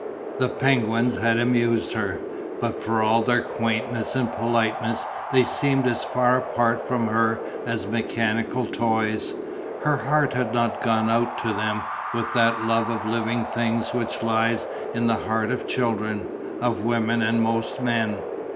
The penguins had amused her, but for all their quaintness and politeness they seemed as far apart from her as mechanical toys. Her heart had not gone out to them with that love of living things which lies in the heart of children, of women and most men.